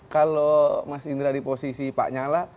kalau mas indra di posisi pak nyala